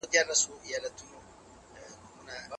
هغه ناروغي چي نباتات یې مړاوي کړل باید وڅېړل سي.